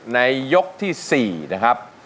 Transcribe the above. ในยกที่๔นะครับ